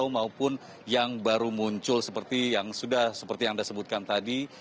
maupun yang baru muncul seperti yang sudah seperti yang anda sebutkan tadi